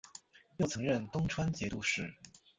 又曾任东川节度使。